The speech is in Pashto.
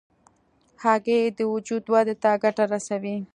هګۍ د وجود ودې ته ګټه رسوي.